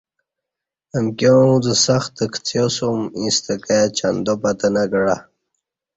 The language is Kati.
امکیاں اُݩڅ سخت کڅیاسُم ایݩستہ کائ چندا پتہ نہ کعہ